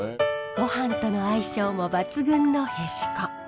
ごはんとの相性も抜群のへしこ。